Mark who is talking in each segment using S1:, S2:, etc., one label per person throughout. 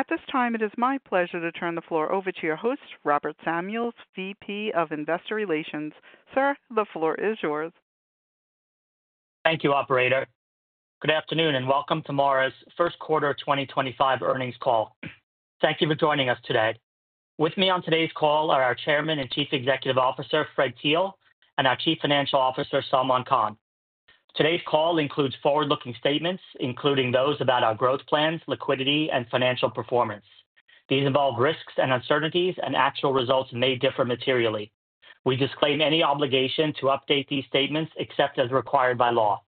S1: At this time, it is my pleasure to turn the floor over to your host, Robert Samuels, VP of Investor Relations. Sir, the floor is yours.
S2: Thank you, Operator. Good afternoon and welcome to MARA's First Quarter 2025 earnings call. Thank you for joining us today. With me on today's call are our Chairman and Chief Executive Officer, Fred Thiel, and our Chief Financial Officer, Salman Khan. Today's call includes forward-looking statements, including those about our growth plans, liquidity, and financial performance. These involve risks and uncertainties, and actual results may differ materially. We disclaim any obligation to update these statements except as required by law.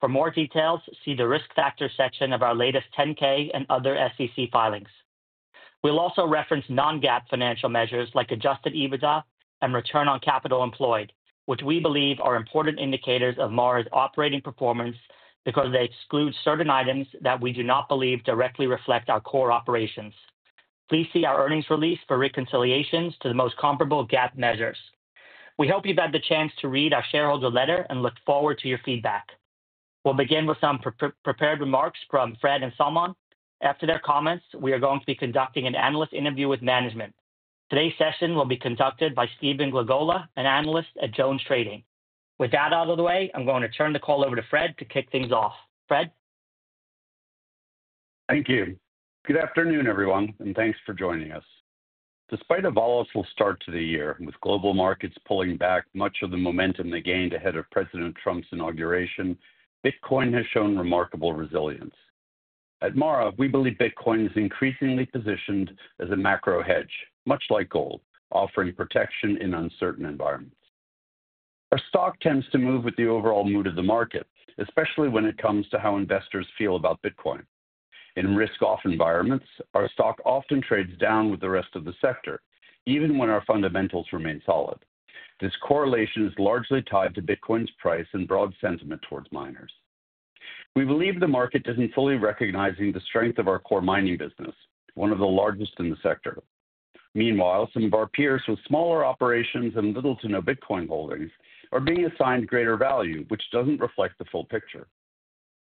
S2: For more details, see the risk factor section of our latest 10-K and other SEC filings. We'll also reference non-GAAP financial measures like adjusted EBITDA and return on capital employed, which we believe are important indicators of MARA's operating performance because they exclude certain items that we do not believe directly reflect our core operations. Please see our earnings release for reconciliations to the most comparable GAAP measures. We hope you've had the chance to read our shareholder letter and look forward to your feedback. We'll begin with some prepared remarks from Fred and Salman. After their comments, we are going to be conducting an analyst interview with management. Today's session will be conducted by Stephen Glagola, an analyst at Jones Trading. With that out of the way, I'm going to turn the call over to Fred to kick things off. Fred.
S3: Thank you. Good afternoon, everyone, and thanks for joining us. Despite a volatile start to the year, with global markets pulling back much of the momentum they gained ahead of President Trump's inauguration, Bitcoin has shown remarkable resilience. At MARA, we believe Bitcoin is increasingly positioned as a macro hedge, much like gold, offering protection in uncertain environments. Our stock tends to move with the overall mood of the market, especially when it comes to how investors feel about Bitcoin. In risk-off environments, our stock often trades down with the rest of the sector, even when our fundamentals remain solid. This correlation is largely tied to Bitcoin's price and broad sentiment towards miners. We believe the market is not fully recognizing the strength of our core mining business, one of the largest in the sector. Meanwhile, some of our peers with smaller operations and little to no Bitcoin holdings are being assigned greater value, which does not reflect the full picture.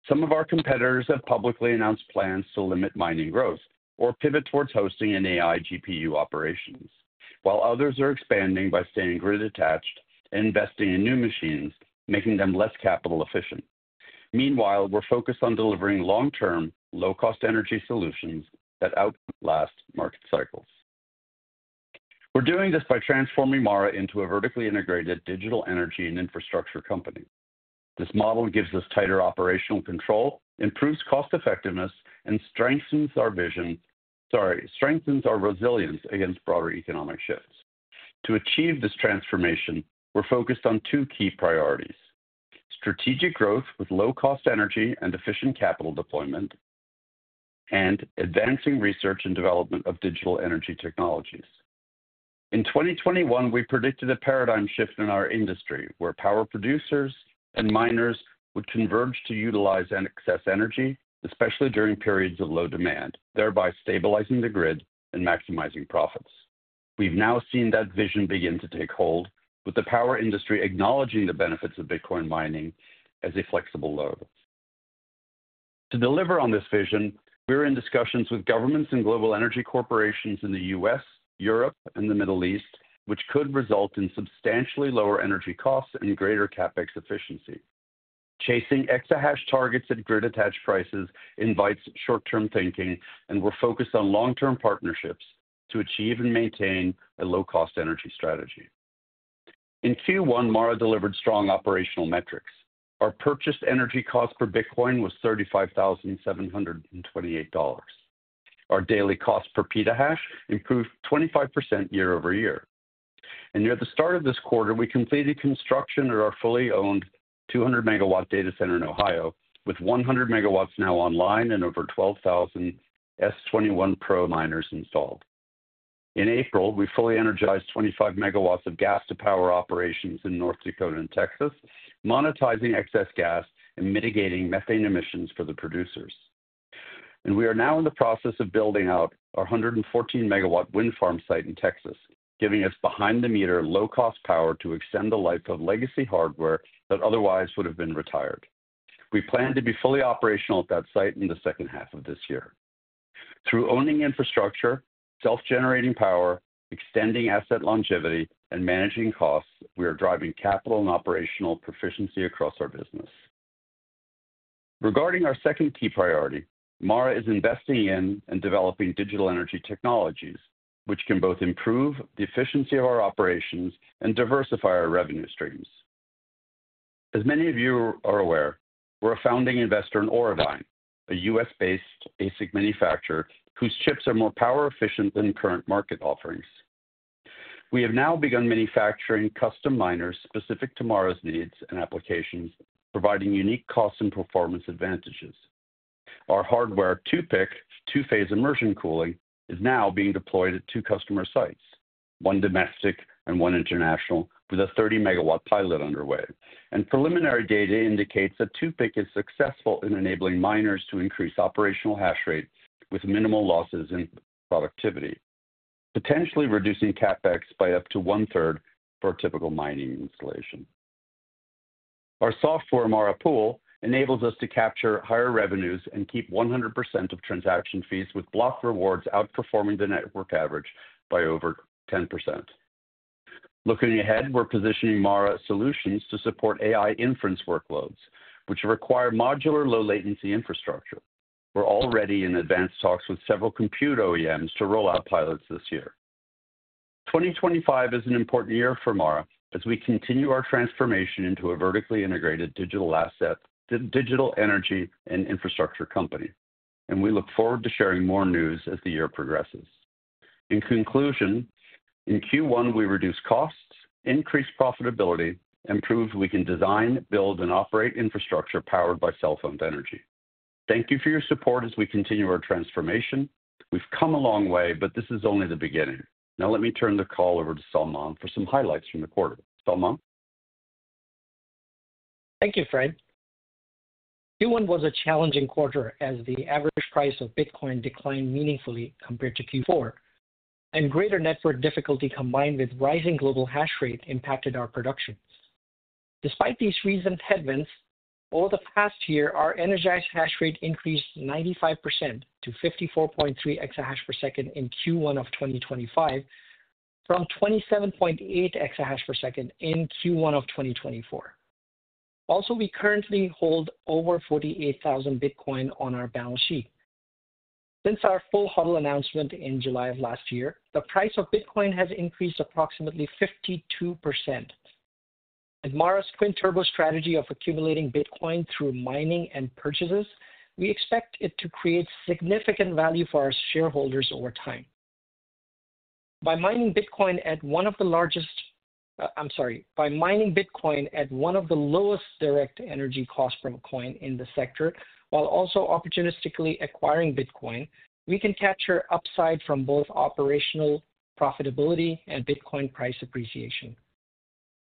S3: Some of our competitors have publicly announced plans to limit mining growth or pivot towards hosting and AI GPU operations, while others are expanding by staying grid-attached and investing in new machines, making them less capital efficient. Meanwhile, we are focused on delivering long-term, low-cost energy solutions that outlast market cycles. We are doing this by transforming MARA into a vertically integrated digital energy and infrastructure company. This model gives us tighter operational control, improves cost effectiveness, and strengthens our vision—sorry, strengthens our resilience against broader economic shifts. To achieve this transformation, we are focused on two key priorities: strategic growth with low-cost energy and efficient capital deployment, and advancing research and development of digital energy technologies. In 2021, we predicted a paradigm shift in our industry, where power producers and miners would converge to utilize and access energy, especially during periods of low demand, thereby stabilizing the grid and maximizing profits. We've now seen that vision begin to take hold, with the power industry acknowledging the benefits of Bitcoin mining as a flexible load. To deliver on this vision, we're in discussions with governments and global energy corporations in the U.S., Europe, and the Middle East, which could result in substantially lower energy costs and greater CapEx efficiency. Chasing exahash targets at grid-attached prices invites short-term thinking, and we're focused on long-term partnerships to achieve and maintain a low-cost energy strategy. In Q1, MARA delivered strong operational metrics. Our purchased energy cost per Bitcoin was $35,728. Our daily cost per petahash improved 25% year over year. Near the start of this quarter, we completed construction at our fully owned 200 MW data center in Ohio, with 100 MW now online and over 12,000 S21 Pro miners installed. In April, we fully energized 25 MW of gas-to-power operations in North Dakota and Texas, monetizing excess gas and mitigating methane emissions for the producers. We are now in the process of building out our 114 MW wind farm site in Texas, giving us behind-the-meter low-cost power to extend the life of legacy hardware that otherwise would have been retired. We plan to be fully operational at that site in the second half of this year. Through owning infrastructure, self-generating power, extending asset longevity, and managing costs, we are driving capital and operational proficiency across our business. Regarding our second key priority, Mara is investing in and developing digital energy technologies, which can both improve the efficiency of our operations and diversify our revenue streams. As many of you are aware, we're a founding investor in Auradine, a U.S.-based ASIC manufacturer whose chips are more power-efficient than current market offerings. We have now begun manufacturing custom miners specific to Mara's needs and applications, providing unique cost and performance advantages. Our hardware 2PIC, two-phase immersion cooling, is now being deployed at two customer sites, one domestic and one international, with a 30 MW pilot underway. Preliminary data indicates that 2PIC is successful in enabling miners to increase operational hash rate with minimal losses in productivity, potentially reducing CapEx by up to one-third for a typical mining installation. Our software, MARA Pool, enables us to capture higher revenues and keep 100% of transaction fees, with block rewards outperforming the network average by over 10%. Looking ahead, we're positioning MARA solutions to support AI inference workloads, which require modular low-latency infrastructure. We're already in advanced talks with several compute OEMs to roll out pilots this year. 2025 is an important year for MARA as we continue our transformation into a vertically integrated digital asset, digital energy, and infrastructure company. We look forward to sharing more news as the year progresses. In conclusion, in Q1, we reduced costs, increased profitability, and proved we can design, build, and operate infrastructure powered by cell phones energy. Thank you for your support as we continue our transformation. We've come a long way, but this is only the beginning. Now let me turn the call over to Salman for some highlights from the quarter. Salman.
S4: Thank you, Fred. Q1 was a challenging quarter as the average price of Bitcoin declined meaningfully compared to Q4, and greater network difficulty combined with rising global hash rate impacted our production. Despite these recent headwinds, over the past year, our energized hash rate increased 95% to 54.3 exahash per second in Q1 of 2025, from 27.8 exahash per second in Q1 of 2024. Also, we currently hold over 48,000 Bitcoin on our balance sheet. Since our full HODL announcement in July of last year, the price of Bitcoin has increased approximately 52%. At MARA's twin turbo strategy of accumulating Bitcoin through mining and purchases, we expect it to create significant value for our shareholders over time. By mining Bitcoin at one of the largest—I'm sorry—by mining Bitcoin at one of the lowest direct energy costs per coin in the sector, while also opportunistically acquiring Bitcoin, we can capture upside from both operational profitability and Bitcoin price appreciation.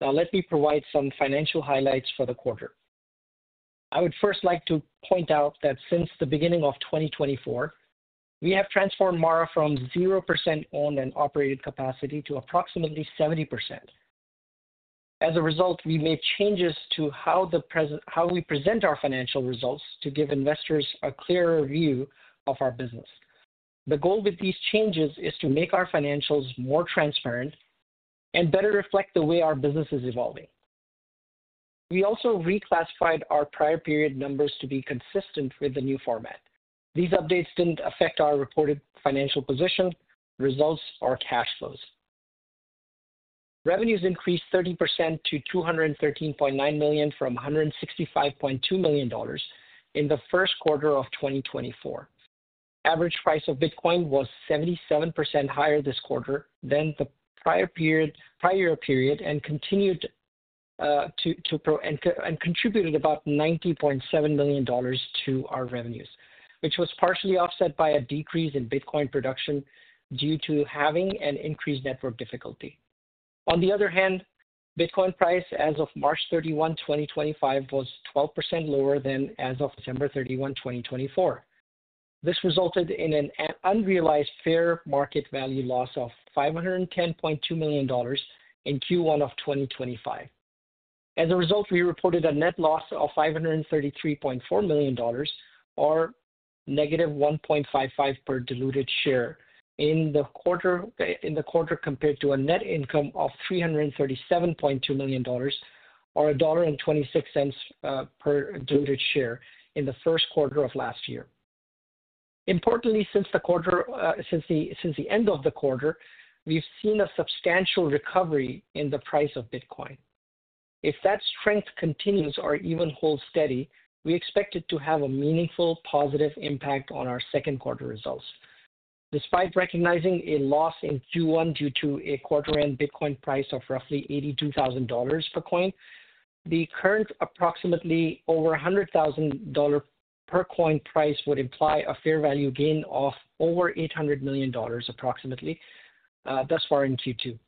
S4: Now let me provide some financial highlights for the quarter. I would first like to point out that since the beginning of 2024, we have transformed MARA from 0% owned and operated capacity to approximately 70%. As a result, we made changes to how we present our financial results to give investors a clearer view of our business. The goal with these changes is to make our financials more transparent and better reflect the way our business is evolving. We also reclassified our prior period numbers to be consistent with the new format. These updates did not affect our reported financial position, results, or cash flows. Revenues increased 30% to $213.9 million from $165.2 million in the first quarter of 2024. Average price of Bitcoin was 77% higher this quarter than the prior year period and contributed about $90.7 million to our revenues, which was partially offset by a decrease in Bitcoin production due to having an increased network difficulty. On the other hand, Bitcoin price as of March 31, 2025, was 12% lower than as of December 31, 2024. This resulted in an unrealized fair market value loss of $510.2 million in Q1 of 2025. As a result, we reported a net loss of $533.4 million, or negative $1.55 per diluted share in the quarter compared to a net income of $337.2 million, or $1.26 per diluted share in the first quarter of last year. Importantly, since the quarter, since the end of the quarter, we've seen a substantial recovery in the price of Bitcoin. If that strength continues or even holds steady, we expect it to have a meaningful positive impact on our second quarter results. Despite recognizing a loss in Q1 due to a quarter-end Bitcoin price of roughly $82,000 per coin, the current approximately over $100,000 per coin price would imply a fair value gain of over $800 million, approximately, thus far in Q2.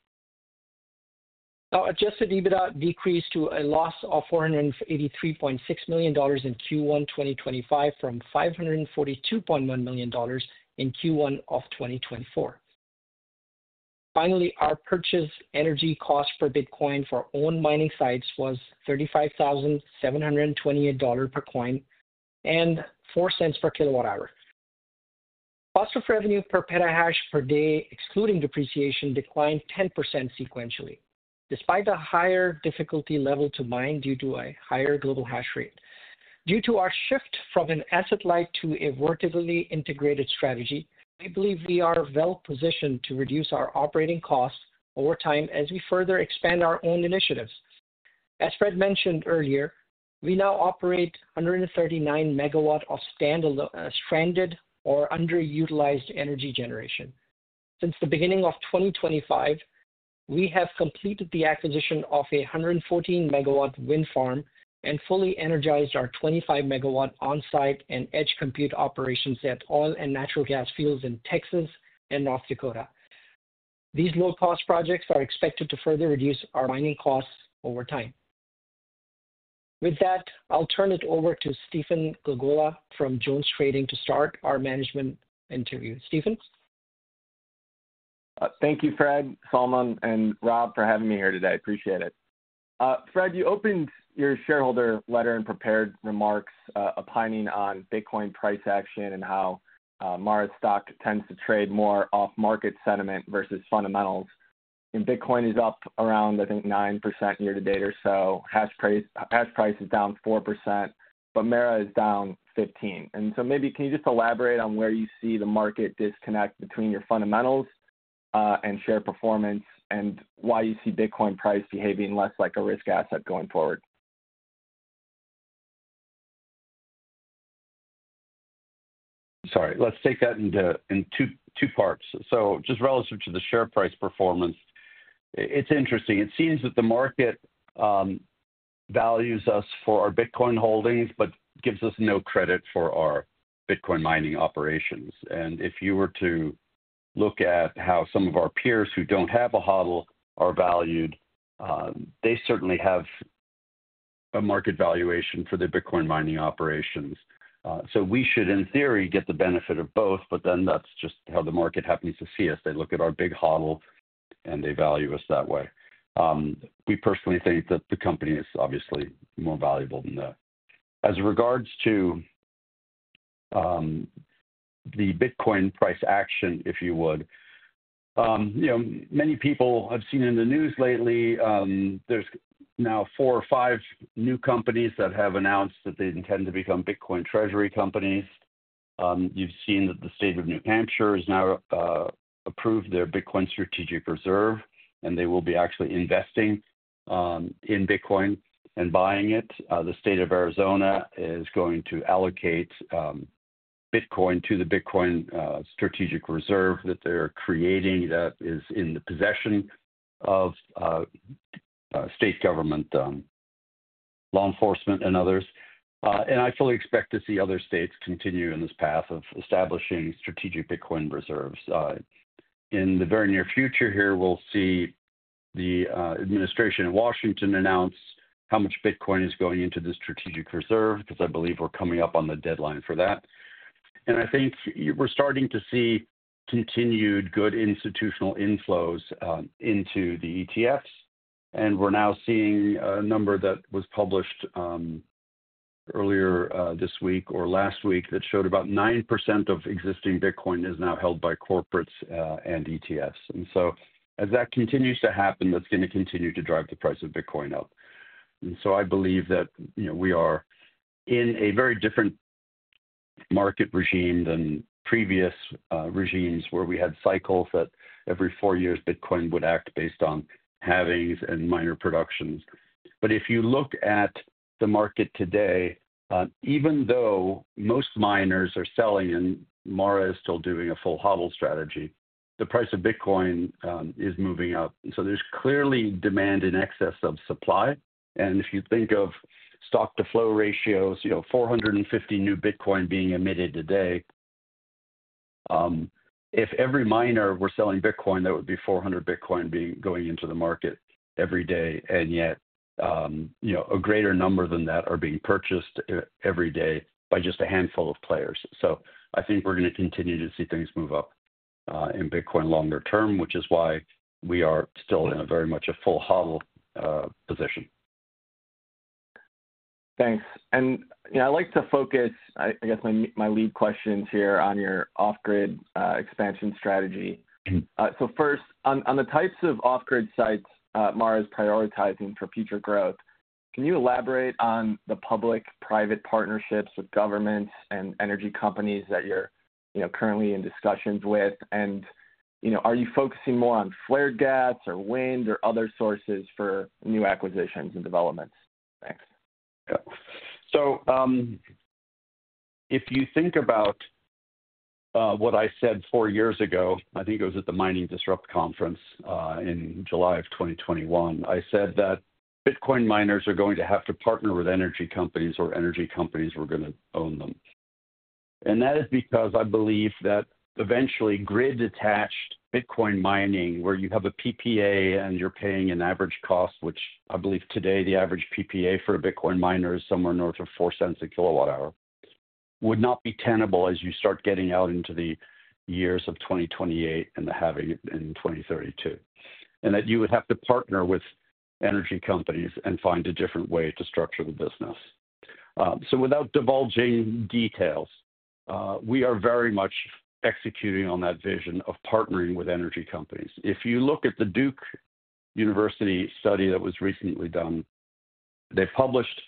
S4: Our adjusted EBITDA decreased to a loss of $483.6 million in Q1 2025 from $542.1 million in Q1 of 2024. Finally, our purchase energy cost per Bitcoin for owned mining sites was $35,728 per coin and $0.04 per kWh. Cost of revenue per petahash per day, excluding depreciation, declined 10% sequentially, despite a higher difficulty level to mine due to a higher global hash rate. Due to our shift from an asset-light to a vertically integrated strategy, we believe we are well positioned to reduce our operating costs over time as we further expand our own initiatives. As Fred mentioned earlier, we now operate 139 MW of stranded or underutilized energy generation. Since the beginning of 2025, we have completed the acquisition of a 114 MW wind farm and fully energized our 25 MW onsite and edge compute operations at oil and natural gas fields in Texas and North Dakota. These low-cost projects are expected to further reduce our mining costs over time. With that, I'll turn it over to Stephen Glagola from Jones Trading to start our management interview. Stephen.
S5: Thank you, Fred, Salman, and Rob, for having me here today. I appreciate it. Fred, you opened your shareholder letter and prepared remarks opining on Bitcoin price action and how MARA's stock tends to trade more off-market sentiment versus fundamentals. Bitcoin is up around, I think, 9% year-to-date or so. Hash price is down 4%, but MARA is down 15%. Maybe can you just elaborate on where you see the market disconnect between your fundamentals and share performance and why you see Bitcoin price behaving less like a risk asset going forward?
S3: Sorry. Let's take that into two parts. Just relative to the share price performance, it's interesting. It seems that the market values us for our Bitcoin holdings but gives us no credit for our Bitcoin mining operations. If you were to look at how some of our peers who don't have a HODL are valued, they certainly have a market valuation for their Bitcoin mining operations. We should, in theory, get the benefit of both, but that's just how the market happens to see us. They look at our big HODL and they value us that way. We personally think that the company is obviously more valuable than that. As regards to the Bitcoin price action, if you would, many people I've seen in the news lately, there's now four or five new companies that have announced that they intend to become Bitcoin treasury companies. You've seen that the state of New Hampshire has now approved their Bitcoin strategic reserve, and they will be actually investing in Bitcoin and buying it. The state of Arizona is going to allocate Bitcoin to the Bitcoin strategic reserve that they're creating that is in the possession of state government law enforcement and others. I fully expect to see other states continue in this path of establishing strategic Bitcoin reserves. In the very near future here, we'll see the administration in Washington announce how much Bitcoin is going into the strategic reserve because I believe we're coming up on the deadline for that. I think we're starting to see continued good institutional inflows into the ETFs. We're now seeing a number that was published earlier this week or last week that showed about 9% of existing Bitcoin is now held by corporates and ETFs. As that continues to happen, that's going to continue to drive the price of Bitcoin up. I believe that we are in a very different market regime than previous regimes where we had cycles that every four years Bitcoin would act based on halvings and miner productions. If you look at the market today, even though most miners are selling and MARA is still doing a full HODL strategy, the price of Bitcoin is moving up. There is clearly demand in excess of supply. If you think of stock-to-flow ratios, 450 new Bitcoin being emitted today, if every miner were selling Bitcoin, that would be 450 Bitcoin going into the market every day. Yet a greater number than that are being purchased every day by just a handful of players. I think we're going to continue to see things move up in Bitcoin longer term, which is why we are still in a very much a full HODL position.
S5: Thanks. I'd like to focus, I guess, my lead questions here on your off-grid expansion strategy. First, on the types of off-grid sites MARA is prioritizing for future growth, can you elaborate on the public-private partnerships with governments and energy companies that you're currently in discussions with? Are you focusing more on flared gas or wind or other sources for new acquisitions and developments? Thanks.
S3: Yeah. If you think about what I said four years ago, I think it was at the Mining Disrupt Conference in July of 2021, I said that Bitcoin miners are going to have to partner with energy companies or energy companies were going to own them. That is because I believe that eventually grid-detached Bitcoin mining where you have a PPA and you're paying an average cost, which I believe today the average PPA for a Bitcoin miner is somewhere north of $0.04 a kWh, would not be tenable as you start getting out into the years of 2028 and the halving in 2032. You would have to partner with energy companies and find a different way to structure the business. Without divulging details, we are very much executing on that vision of partnering with energy companies. If you look at the Duke University study that was recently done, they published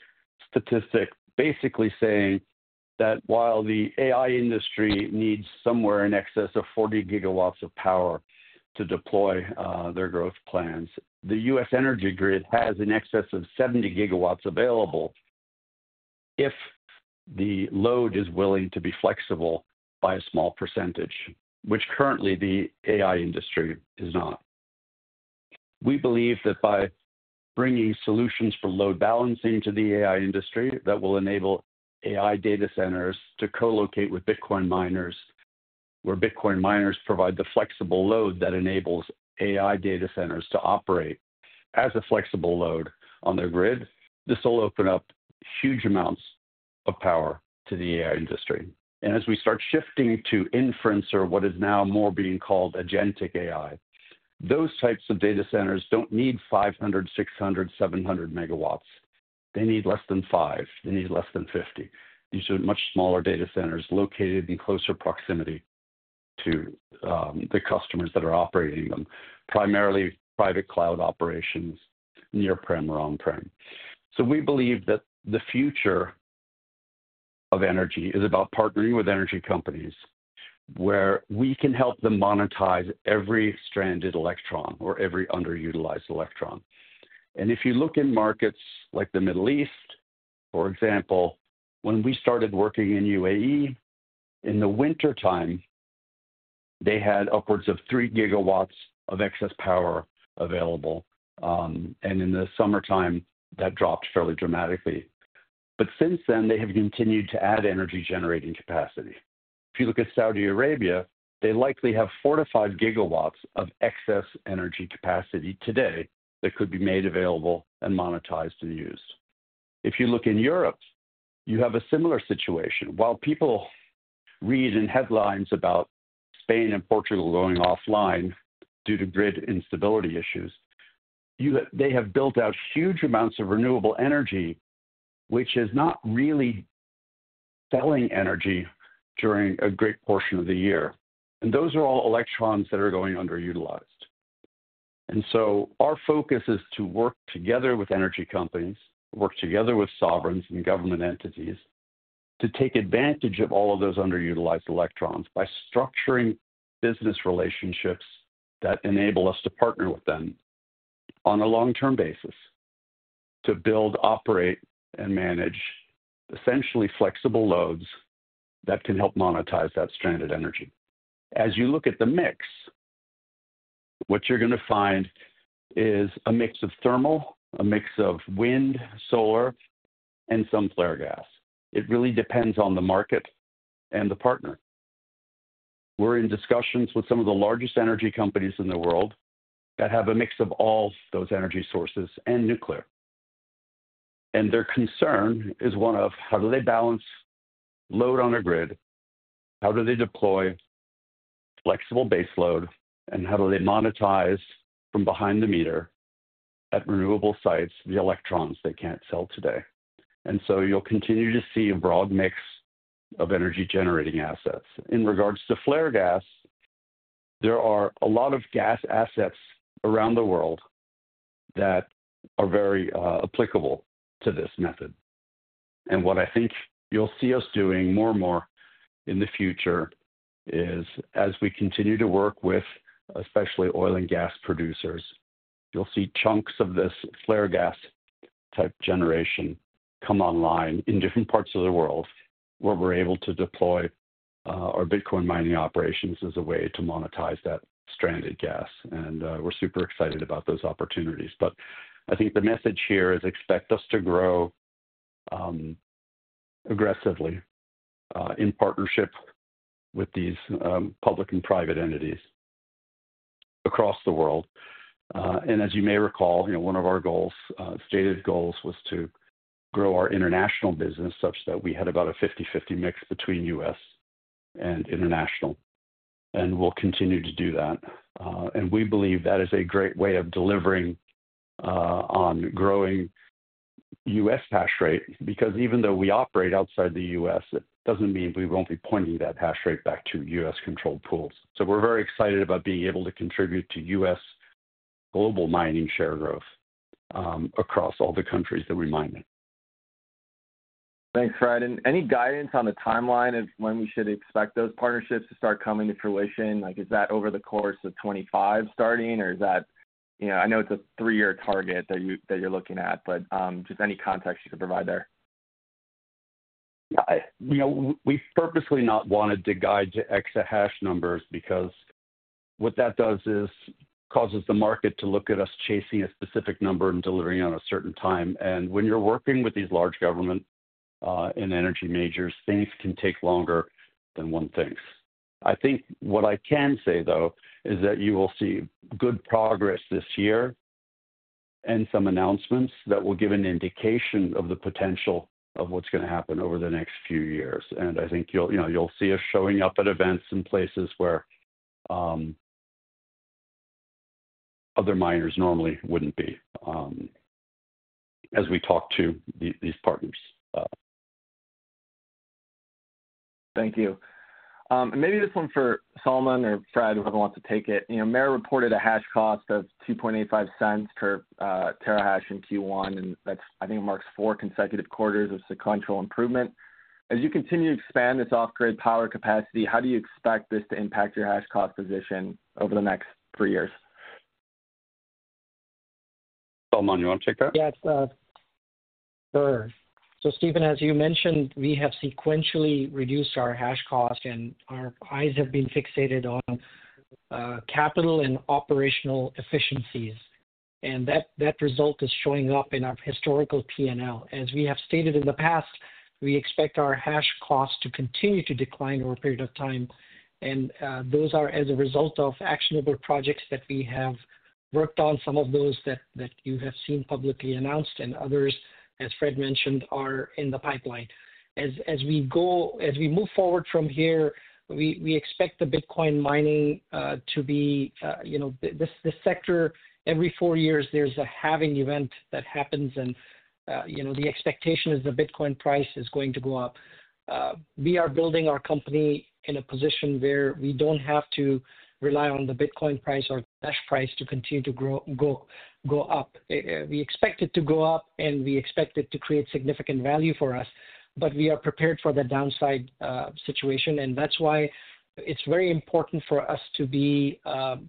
S3: statistics basically saying that while the AI industry needs somewhere in excess of 40 GW of power to deploy their growth plans, the US energy grid has in excess of 70 GW available if the load is willing to be flexible by a small percentage, which currently the AI industry is not. We believe that by bringing solutions for load balancing to the AI industry that will enable AI data centers to co-locate with Bitcoin miners where Bitcoin miners provide the flexible load that enables AI data centers to operate as a flexible load on their grid, this will open up huge amounts of power to the AI industry. As we start shifting to inference or what is now more being called agentic AI, those types of data centers do not need 500, 600, 700 MW. They need less than five. They need less than 50. These are much smaller data centers located in closer proximity to the customers that are operating them, primarily private cloud operations, near-prem or on-prem. We believe that the future of energy is about partnering with energy companies where we can help them monetize every stranded electron or every underutilized electron. If you look in markets like the Middle East, for example, when we started working in UAE, in the wintertime, they had upwards of 3 GW of excess power available. In the summertime, that dropped fairly dramatically. Since then, they have continued to add energy generating capacity. If you look at Saudi Arabia, they likely have 4 GW-5 GW of excess energy capacity today that could be made available and monetized and used. If you look in Europe, you have a similar situation. While people read in headlines about Spain and Portugal going offline due to grid instability issues, they have built out huge amounts of renewable energy, which is not really selling energy during a great portion of the year. Those are all electrons that are going underutilized. Our focus is to work together with energy companies, work together with sovereigns and government entities to take advantage of all of those underutilized electrons by structuring business relationships that enable us to partner with them on a long-term basis to build, operate, and manage essentially flexible loads that can help monetize that stranded energy. As you look at the mix, what you're going to find is a mix of thermal, a mix of wind, solar, and some flare gas. It really depends on the market and the partner. We're in discussions with some of the largest energy companies in the world that have a mix of all those energy sources and nuclear. Their concern is one of how do they balance load on a grid, how do they deploy flexible base load, and how do they monetize from behind the meter at renewable sites the electrons they can't sell today. You'll continue to see a broad mix of energy generating assets. In regards to flare gas, there are a lot of gas assets around the world that are very applicable to this method. What I think you'll see us doing more and more in the future is as we continue to work with especially oil and gas producers, you'll see chunks of this flare gas type generation come online in different parts of the world where we're able to deploy our Bitcoin mining operations as a way to monetize that stranded gas. We're super excited about those opportunities. I think the message here is expect us to grow aggressively in partnership with these public and private entities across the world. As you may recall, one of our stated goals was to grow our international business such that we had about a 50/50 mix between U.S. and international. We'll continue to do that. We believe that is a great way of delivering on growing U.S. hash rate because even though we operate outside the U.S., it does not mean we will not be pointing that hash rate back to U.S.-controlled pools. We are very excited about being able to contribute to U.S. global mining share growth across all the countries that we mine in.
S5: Thanks, Fred. Any guidance on the timeline of when we should expect those partnerships to start coming to fruition? Is that over the course of 2025 starting, or is that I know it is a three-year target that you are looking at, but just any context you could provide there?
S3: We purposely not wanted to guide to excess hash numbers because what that does is causes the market to look at us chasing a specific number and delivering on a certain time. When you're working with these large government and energy majors, things can take longer than one thinks. I think what I can say, though, is that you will see good progress this year and some announcements that will give an indication of the potential of what's going to happen over the next few years. I think you'll see us showing up at events and places where other miners normally wouldn't be as we talk to these partners.
S5: Thank you. Maybe this one for Salman or Fred, whoever wants to take it. MARA reported a hash cost of $0.0285 per TH in Q1, and that, I think, marks four consecutive quarters of sequential improvement. As you continue to expand this off-grid power capacity, how do you expect this to impact your hash cost position over the next three years?
S3: Salman, you want to take that?
S4: Yes. Sure. So Stephen, as you mentioned, we have sequentially reduced our hash cost, and our eyes have been fixated on capital and operational efficiencies. That result is showing up in our historical P&L. As we have stated in the past, we expect our hash cost to continue to decline over a period of time. Those are as a result of actionable projects that we have worked on, some of those that you have seen publicly announced and others, as Fred mentioned, are in the pipeline. As we move forward from here, we expect the Bitcoin mining to be this sector, every four years, there is a halving event that happens, and the expectation is the Bitcoin price is going to go up. We are building our company in a position where we do not have to rely on the Bitcoin price or cash price to continue to go up. We expect it to go up, and we expect it to create significant value for us. We are prepared for the downside situation. That is why it is very important for us to be sourcing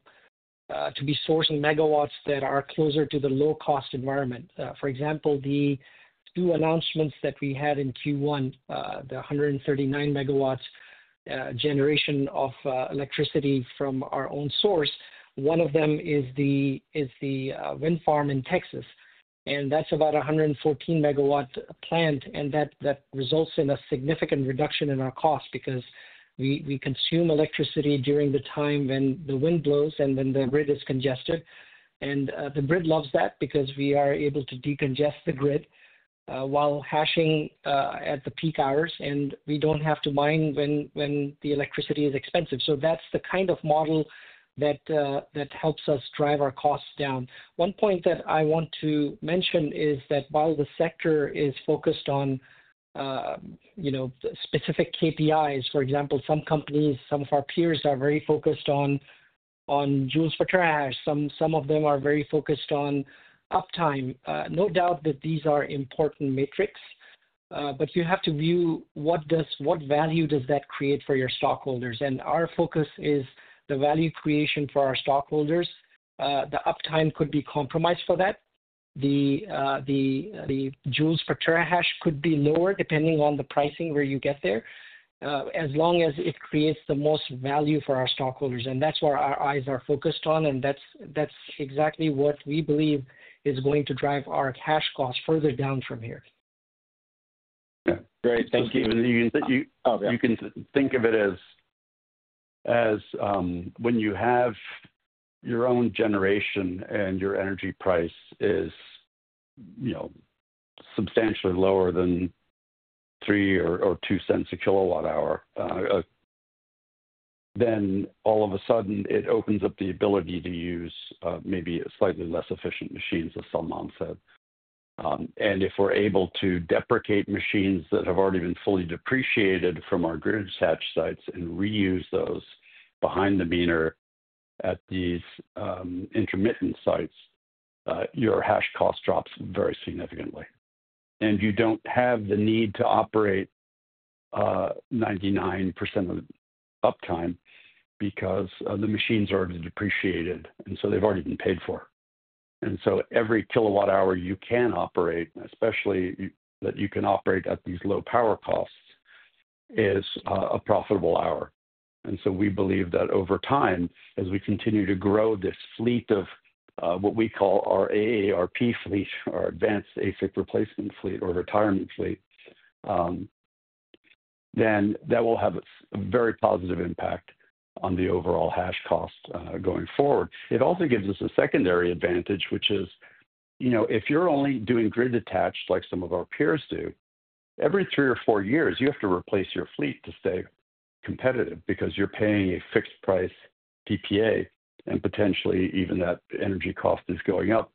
S4: megawatts that are closer to the low-cost environment. For example, the two announcements that we had in Q1, the 139 MW generation of electricity from our own source, one of them is the wind farm in Texas. That is about a 114 MW plant, and that results in a significant reduction in our cost because we consume electricity during the time when the wind blows and when the grid is congested. The grid loves that because we are able to decongest the grid while hashing at the peak hours, and we do not have to mine when the electricity is expensive. That is the kind of model that helps us drive our costs down. One point that I want to mention is that while the sector is focused on specific KPIs, for example, some companies, some of our peers are very focused on joules per terahash. Some of them are very focused on uptime. No doubt that these are important metrics, but you have to view what value does that create for your stockholders. Our focus is the value creation for our stockholders. The uptime could be compromised for that. The joules per terahash could be lower depending on the pricing where you get there, as long as it creates the most value for our stockholders. That is where our eyes are focused on, and that is exactly what we believe is going to drive our cash cost further down from here.
S5: Yeah. Great. Thank you.
S3: You can think of it as when you have your own generation and your energy price is substantially lower than $0.02 or $0.03 per kWh, then all of a sudden, it opens up the ability to use maybe slightly less efficient machines, as Salman said. If we're able to deprecate machines that have already been fully depreciated from our grid attached sites and reuse those behind the meter at these intermittent sites, your hash cost drops very significantly. You do not have the need to operate 99% of uptime because the machines are already depreciated, and so they've already been paid for. Every kilowatt hour you can operate, especially that you can operate at these low power costs, is a profitable hour. We believe that over time, as we continue to grow this fleet of what we call our AARP fleet or advanced ASIC replacement fleet or retirement fleet, that will have a very positive impact on the overall hash cost going forward. It also gives us a secondary advantage, which is if you're only doing grid attached like some of our peers do, every three or four years, you have to replace your fleet to stay competitive because you're paying a fixed price PPA, and potentially even that energy cost is going up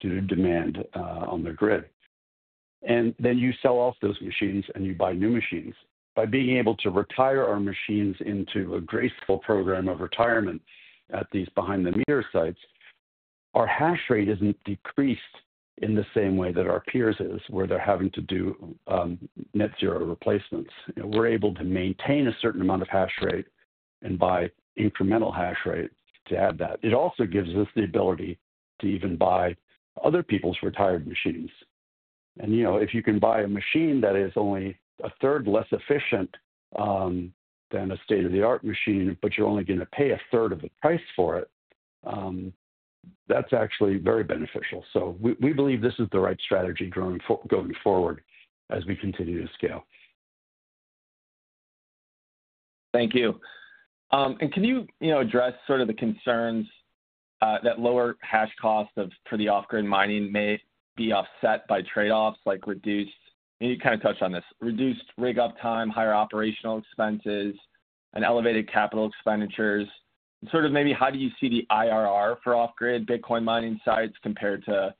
S3: due to demand on the grid. You sell off those machines and you buy new machines. By being able to retire our machines into a graceful program of retirement at these behind-the-meter sites, our hash rate isn't decreased in the same way that our peers is where they're having to do net-zero replacements. We're able to maintain a certain amount of hash rate and buy incremental hash rate to add that. It also gives us the ability to even buy other people's retired machines. If you can buy a machine that is only a third less efficient than a state-of-the-art machine, but you're only going to pay a third of the price for it, that's actually very beneficial. We believe this is the right strategy going forward as we continue to scale.
S5: Thank you. Can you address sort of the concerns that lower hash costs for the off-grid mining may be offset by trade-offs like reduced, and you kind of touched on this, reduced rig uptime, higher operational expenses, and elevated capital expenditures? Sort of maybe how do you see the IRR for off-grid Bitcoin mining sites compared to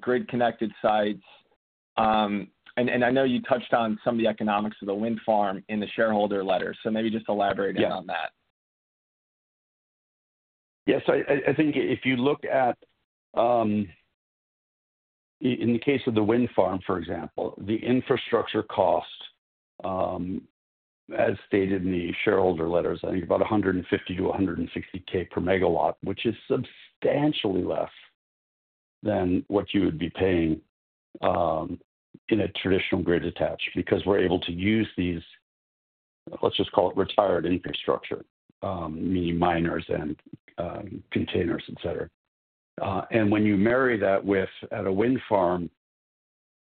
S5: grid-connected sites? I know you touched on some of the economics of the wind farm in the shareholder letter, so maybe just elaborate on that.
S3: Yeah. So I think if you look at in the case of the wind farm, for example, the infrastructure cost, as stated in the shareholder letters, I think about $150,000 to $160,000 per MW, which is substantially less than what you would be paying in a traditional grid attached because we're able to use these, let's just call it retired infrastructure, meaning miners and containers, etc. When you marry that with at a wind farm,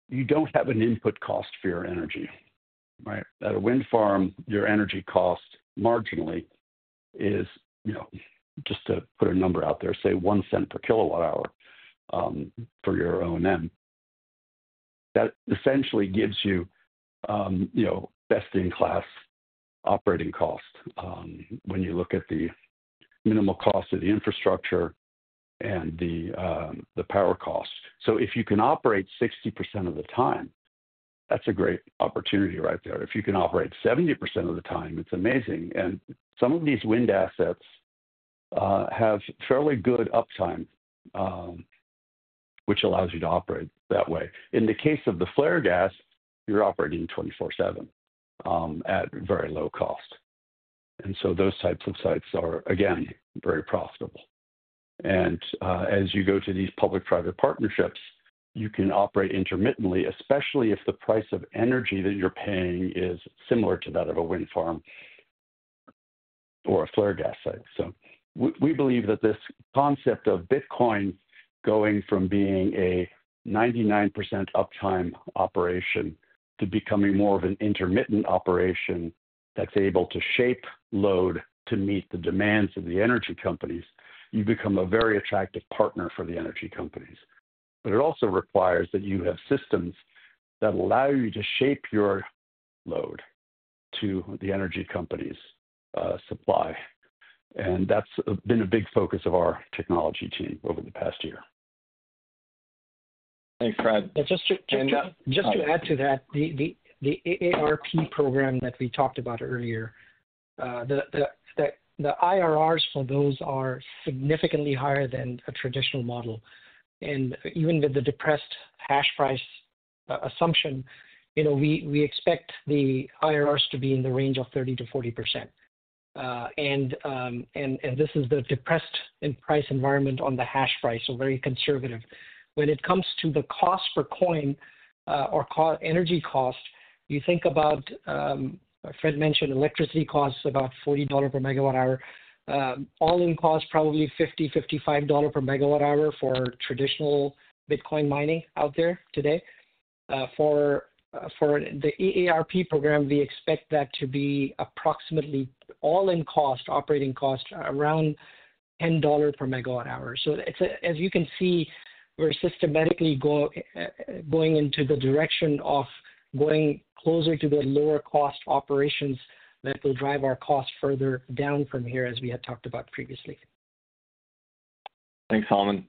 S3: you don't have an input cost for your energy. At a wind farm, your energy cost marginally is, just to put a number out there, say, $0.01 per kWh for your O&M, that essentially gives you best-in-class operating cost when you look at the minimal cost of the infrastructure and the power cost. If you can operate 60% of the time, that's a great opportunity right there. If you can operate 70% of the time, it's amazing. Some of these wind assets have fairly good uptime, which allows you to operate that way. In the case of the flare gas, you're operating 24/7 at very low cost. Those types of sites are, again, very profitable. As you go to these public-private partnerships, you can operate intermittently, especially if the price of energy that you're paying is similar to that of a wind farm or a flare gas site. We believe that this concept of Bitcoin going from being a 99% uptime operation to becoming more of an intermittent operation that's able to shape load to meet the demands of the energy companies, you become a very attractive partner for the energy companies. It also requires that you have systems that allow you to shape your load to the energy company's supply. That has been a big focus of our technology team over the past year.
S5: Thanks, Fred.
S4: Just to add to that, the AARP program that we talked about earlier, the IRRs for those are significantly higher than a traditional model. Even with the depressed hash price assumption, we expect the IRRs to be in the range of 30-40%. This is the depressed price environment on the hash price, so very conservative. When it comes to the cost per coin or energy cost, you think about, Fred mentioned, electricity costs about $40 per MWh, all-in cost probably $50-$55 per MWh for traditional Bitcoin mining out there today. For the AARP program, we expect that to be approximately all-in cost, operating cost, around $10 per MWh. As you can see, we're systematically going into the direction of going closer to the lower-cost operations that will drive our cost further down from here, as we had talked about previously.
S5: Thanks, Salman.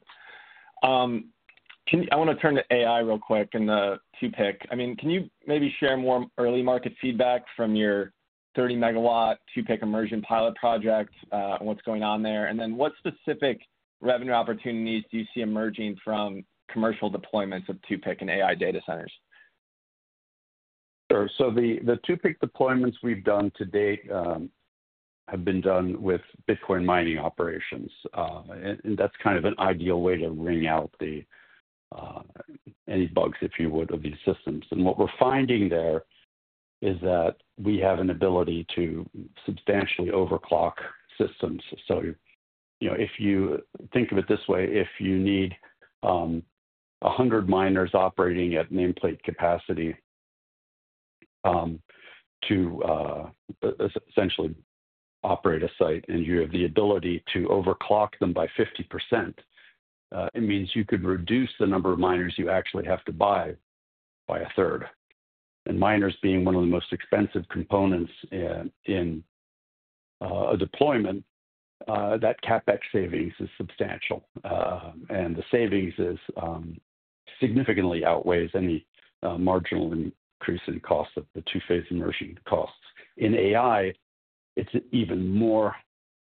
S5: I want to turn to AI real quick and the 2PIC. I mean, can you maybe share more early market feedback from your 30 MW 2PIC immersion pilot project and what is going on there? What specific revenue opportunities do you see emerging from commercial deployments of 2PIC and AI data centers?
S3: Sure. The 2PIC deployments we've done to date have been done with Bitcoin mining operations. That's kind of an ideal way to ring out any bugs, if you would, of these systems. What we're finding there is that we have an ability to substantially overclock systems. If you think of it this way, if you need 100 miners operating at nameplate capacity to essentially operate a site and you have the ability to overclock them by 50%, it means you could reduce the number of miners you actually have to buy by a third. Miners being one of the most expensive components in a deployment, that CapEx savings is substantial. The savings significantly outweighs any marginal increase in cost of the two-phase immersion costs. In AI, it's even more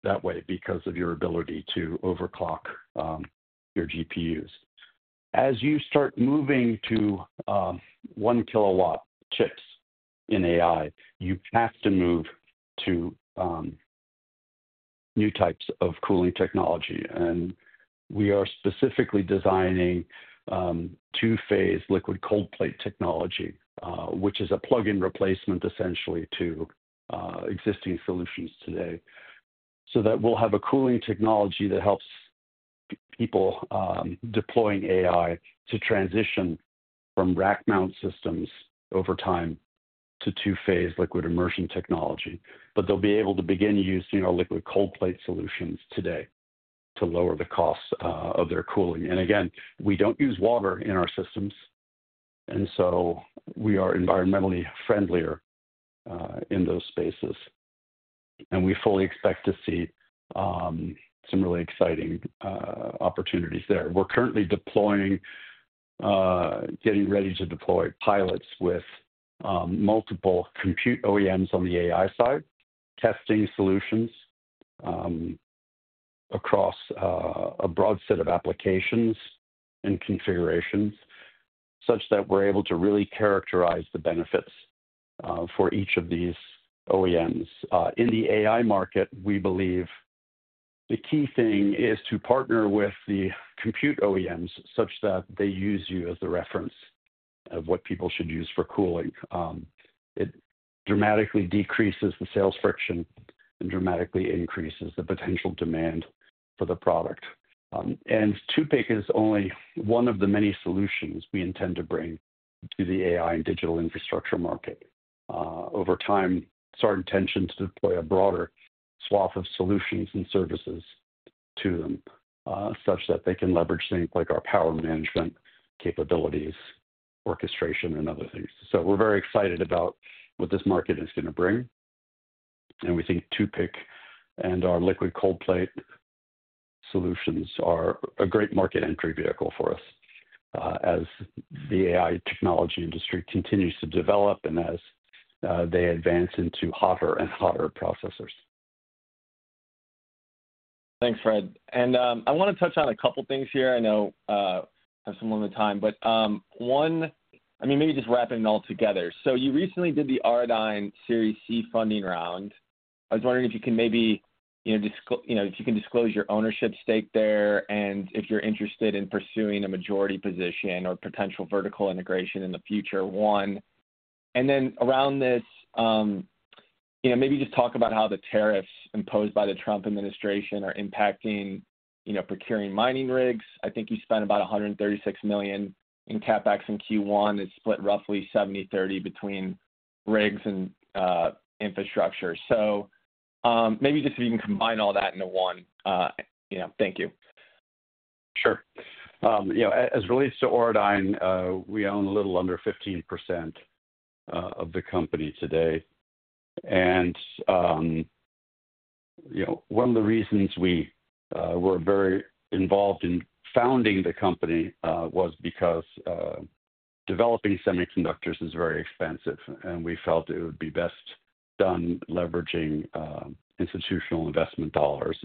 S3: that way because of your ability to overclock your GPUs. As you start moving to 1 kW chips in AI, you have to move to new types of cooling technology. We are specifically designing two-phase liquid cold plate technology, which is a plug-in replacement essentially to existing solutions today. That way, we will have a cooling technology that helps people deploying AI to transition from rack-mount systems over time to two-phase liquid immersion technology. They will be able to begin using our liquid cold plate solutions today to lower the cost of their cooling. We do not use water in our systems, so we are environmentally friendlier in those spaces. We fully expect to see some really exciting opportunities there. We're currently deploying, getting ready to deploy pilots with multiple compute OEMs on the AI side, testing solutions across a broad set of applications and configurations such that we're able to really characterize the benefits for each of these OEMs. In the AI market, we believe the key thing is to partner with the compute OEMs such that they use you as the reference of what people should use for cooling. It dramatically decreases the sales friction and dramatically increases the potential demand for the product. 2PIC is only one of the many solutions we intend to bring to the AI and digital infrastructure market. Over time, it's our intention to deploy a broader swath of solutions and services to them such that they can leverage things like our power management capabilities, orchestration, and other things. We're very excited about what this market is going to bring. We think 2PIC and our liquid cold plate solutions are a great market entry vehicle for us as the AI technology industry continues to develop and as they advance into hotter and hotter processors.
S5: Thanks, Fred. I want to touch on a couple of things here. I know we have some limited time, but one, I mean, maybe just wrapping it all together. You recently did the Auradine Series C funding round. I was wondering if you can maybe, if you can disclose your ownership stake there and if you're interested in pursuing a majority position or potential vertical integration in the future. One. Around this, maybe just talk about how the tariffs imposed by the Trump administration are impacting procuring mining rigs. I think you spent about $136 million in CapEx in Q1. It's split roughly 70/30 between rigs and infrastructure. Maybe just if you can combine all that into one. Thank you.
S3: Sure. As it relates to Auradine, we own a little under 15% of the company today. One of the reasons we were very involved in founding the company was because developing semiconductors is very expensive, and we felt it would be best done leveraging institutional investment dollars.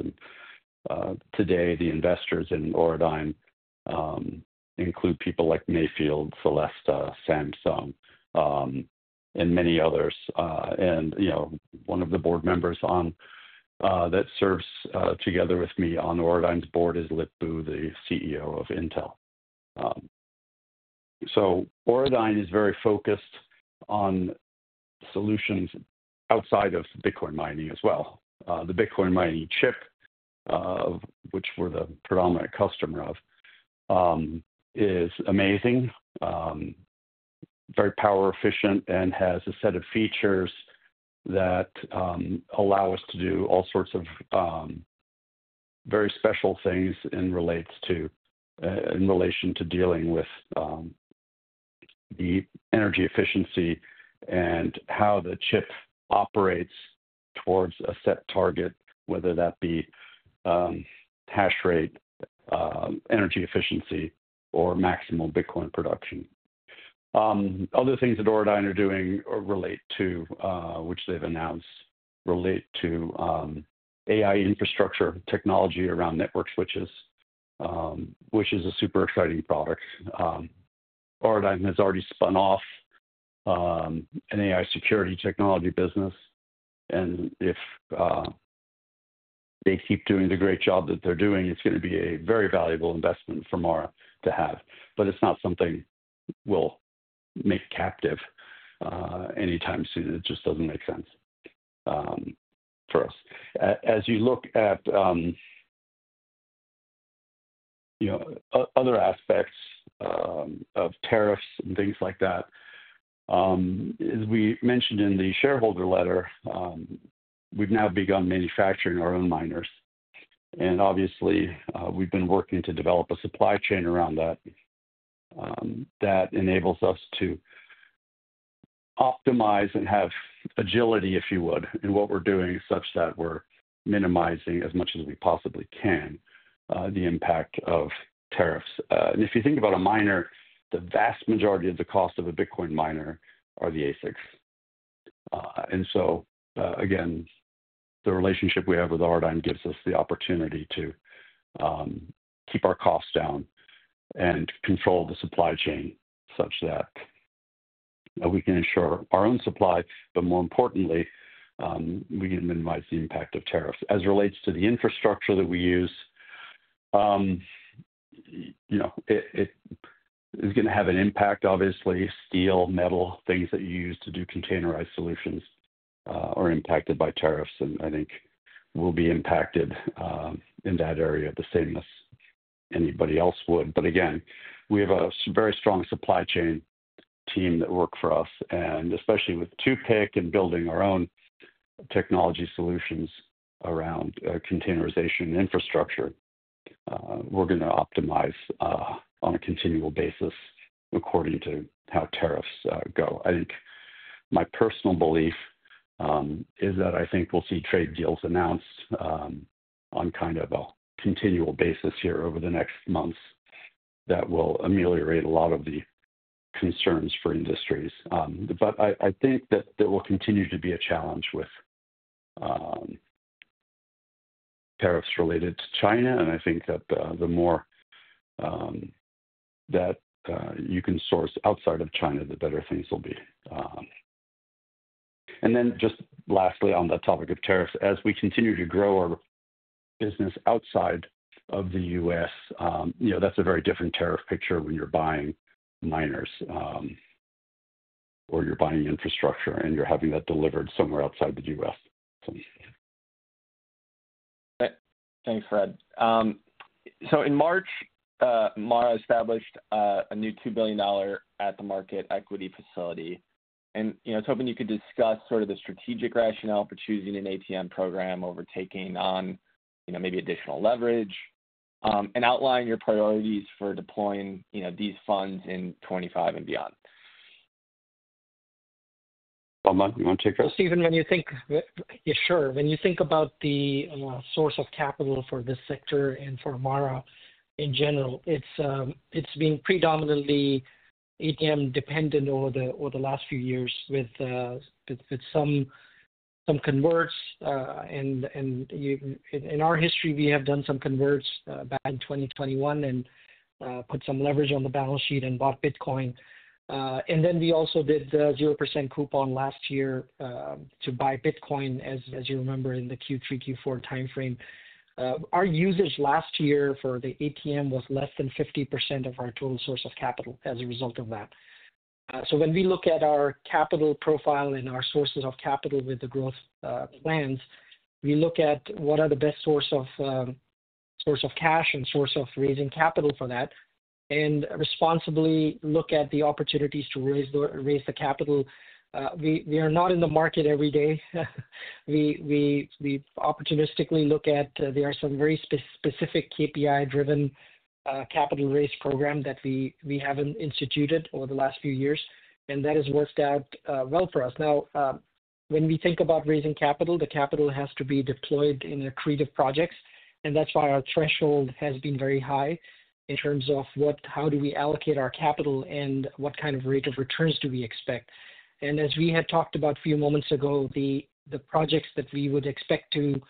S3: Today, the investors in Auradine include people like Mayfield, Celesta, Samsung, and many others. One of the board members that serves together with me on Auradine's board is Lip-Bu, the CEO of Intel. Auradine is very focused on solutions outside of Bitcoin mining as well. The Bitcoin mining chip, which we're the predominant customer of, is amazing, very power-efficient, and has a set of features that allow us to do all sorts of very special things in relation to dealing with the energy efficiency and how the chip operates towards a set target, whether that be hash rate, energy efficiency, or maximum Bitcoin production. Other things that Auradine are doing relate to, which they've announced, relate to AI infrastructure technology around network switches, which is a super exciting product. Auradine has already spun off an AI security technology business. If they keep doing the great job that they're doing, it's going to be a very valuable investment for MARA to have. It is not something we'll make captive anytime soon. It just doesn't make sense for us. As you look at other aspects of tariffs and things like that, as we mentioned in the shareholder letter, we've now begun manufacturing our own miners. Obviously, we've been working to develop a supply chain around that that enables us to optimize and have agility, if you would, in what we're doing such that we're minimizing as much as we possibly can the impact of tariffs. If you think about a miner, the vast majority of the cost of a Bitcoin miner are the ASICs. Again, the relationship we have with Auradine gives us the opportunity to keep our costs down and control the supply chain such that we can ensure our own supply, but more importantly, we can minimize the impact of tariffs. As it relates to the infrastructure that we use, it is going to have an impact, obviously. Steel, metal, things that you use to do containerized solutions are impacted by tariffs. I think we'll be impacted in that area the same as anybody else would. We have a very strong supply chain team that work for us. Especially with 2PIC and building our own technology solutions around containerization infrastructure, we're going to optimize on a continual basis according to how tariffs go. My personal belief is that I think we'll see trade deals announced on kind of a continual basis here over the next months that will ameliorate a lot of the concerns for industries. I think that there will continue to be a challenge with tariffs related to China. I think that the more that you can source outside of China, the better things will be. Lastly, on the topic of tariffs, as we continue to grow our business outside of the U.S., that's a very different tariff picture when you're buying miners or you're buying infrastructure and you're having that delivered somewhere outside the U.S.
S5: Thanks, Fred. In March, MARA established a new $2 billion at-the-market equity facility. I was hoping you could discuss sort of the strategic rationale for choosing an ATM program over taking on maybe additional leverage and outline your priorities for deploying these funds in 2025 and beyond.
S3: Martin, you want to take that?
S4: Stephen, when you think, yeah, sure. When you think about the source of capital for this sector and for MARA in general, it's been predominantly ATM-dependent over the last few years with some converts. In our history, we have done some converts back in 2021 and put some leverage on the balance sheet and bought Bitcoin. We also did the 0% coupon last year to buy Bitcoin, as you remember, in the Q3, Q4 timeframe. Our usage last year for the ATM was less than 50% of our total source of capital as a result of that. When we look at our capital profile and our sources of capital with the growth plans, we look at what are the best source of cash and source of raising capital for that and responsibly look at the opportunities to raise the capital. We are not in the market every day. We opportunistically look at there are some very specific KPI-driven capital-raise program that we have instituted over the last few years, and that has worked out well for us. Now, when we think about raising capital, the capital has to be deployed in accretive projects. That is why our threshold has been very high in terms of how do we allocate our capital and what kind of rate of returns do we expect. As we had talked about a few moments ago, the projects that we would expect to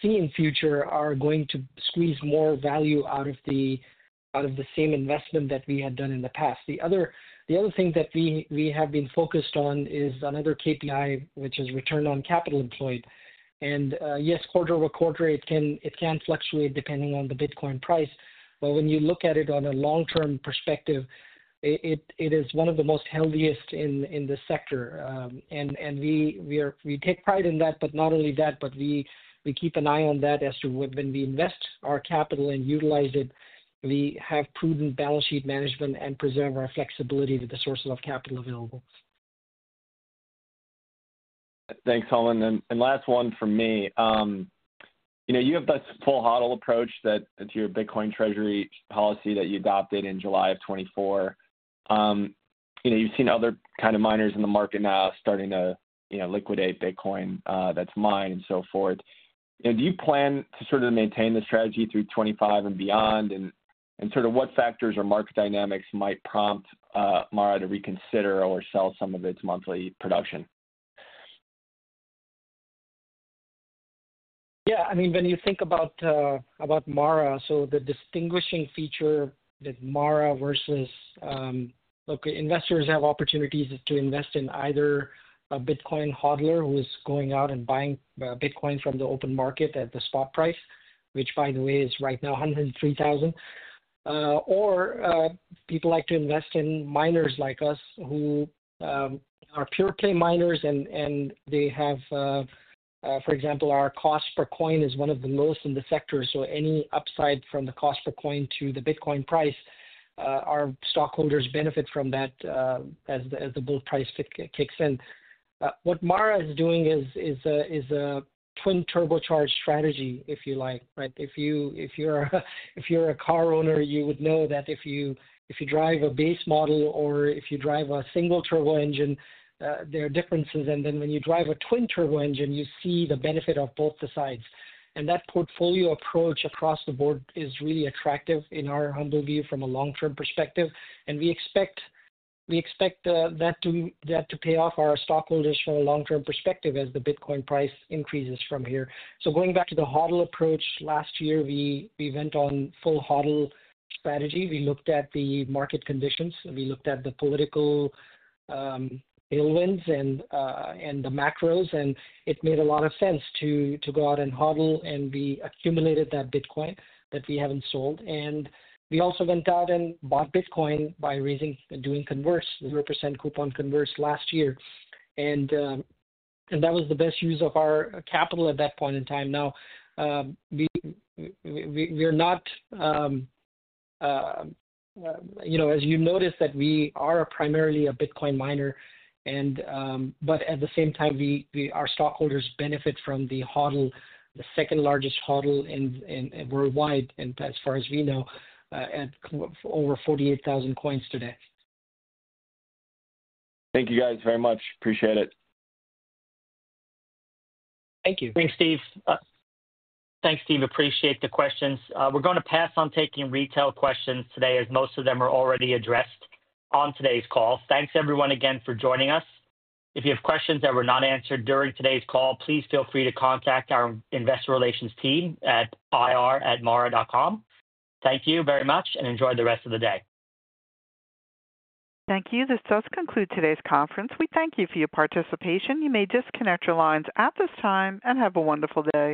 S4: see in future are going to squeeze more value out of the same investment that we had done in the past. The other thing that we have been focused on is another KPI, which is return on capital employed. Yes, quarter over quarter, it can fluctuate depending on the Bitcoin price. When you look at it on a long-term perspective, it is one of the most healthy in the sector. We take pride in that, but not only that, we keep an eye on that as to when we invest our capital and utilize it, we have prudent balance sheet management and preserve our flexibility with the sources of capital available.
S5: Thanks, Holland. Last one for me. You have that full HODL approach, that is your Bitcoin treasury policy that you adopted in July of 2024. You have seen other kind of miners in the market now starting to liquidate Bitcoin that is mined and so forth. Do you plan to sort of maintain the strategy through 2025 and beyond? What factors or market dynamics might prompt MARA to reconsider or sell some of its monthly production?
S4: Yeah. I mean, when you think about MARA, so the distinguishing feature that MARA versus investors have opportunities is to invest in either a Bitcoin HODLer who is going out and buying Bitcoin from the open market at the spot price, which, by the way, is right now $103,000, or people like to invest in miners like us who are pure-play miners and they have, for example, our cost per coin is one of the lowest in the sector. So any upside from the cost per coin to the Bitcoin price, our stockholders benefit from that as the bull price kicks in. What MARA is doing is a twin turbocharge strategy, if you like, right? If you're a car owner, you would know that if you drive a base model or if you drive a single turbo engine, there are differences. When you drive a twin turbo engine, you see the benefit of both the sides. That portfolio approach across the board is really attractive in our humble view from a long-term perspective. We expect that to pay off our stockholders from a long-term perspective as the Bitcoin price increases from here. Going back to the HODL approach, last year, we went on full HODL strategy. We looked at the market conditions. We looked at the political tailwinds and the macros. It made a lot of sense to go out and HODL, and we accumulated that Bitcoin that we have not sold. We also went out and bought Bitcoin by doing converts, 0% coupon converts last year. That was the best use of our capital at that point in time. Now, we are not, as you noticed, that we are primarily a Bitcoin miner, but at the same time, our stockholders benefit from the HODL, the second largest HODL worldwide, and as far as we know, at over 48,000 coins today.
S5: Thank you, guys, very much. Appreciate it.
S4: Thank you.
S2: Thanks, Steve. Appreciate the questions. We're going to pass on taking retail questions today as most of them are already addressed on today's call. Thanks, everyone, again, for joining us. If you have questions that were not answered during today's call, please feel free to contact our investor relations team at ir@mara.com. Thank you very much, and enjoy the rest of the day.
S1: Thank you. This does conclude today's conference. We thank you for your participation. You may disconnect your lines at this time and have a wonderful day.